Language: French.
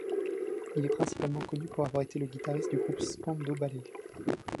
Il est principalement connu pour avoir été le guitariste du groupe Spandau Ballet.